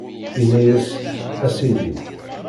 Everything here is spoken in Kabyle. Inna-a: A Sidi!